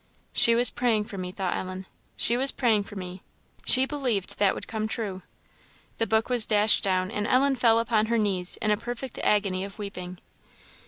"She was praying for me," thought Ellen "she was praying for me; she believed that would come true." The book was dashed down, and Ellen fell upon her knees, in a perfect agony of weeping.